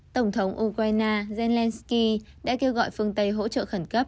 tổng thống ukraine zelensky đã kêu gọi phương tây hỗ trợ khẩn cấp